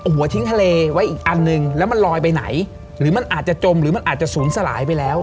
หัวทิ้งทะเลไว้อีกอันนึงแล้วมันลอยไปไหนหรือมันอาจจะจมหรือมันอาจจะศูนย์สลายไปแล้ว